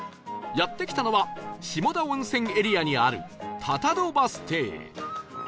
やって来たのは下田温泉エリアにある多々戸バス停